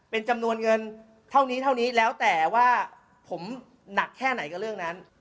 เป็นจำนวนเงินเท่านี้เท่านี้แล้วแต่ว่าผมหนักแค่ไหนกับเรื่องนั้น